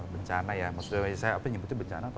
bencana ya maksudnya saya apa nyebutnya bencana atau